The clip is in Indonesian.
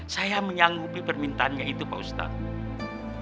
saya menyanggupi permintaannya itu pak ustadz